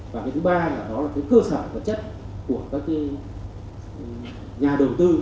và cái thứ ba là đó là cái cơ sở vật chất của các nhà đầu tư